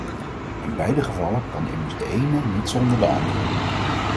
In beide gevallen kan immers de ene niet zonder de andere.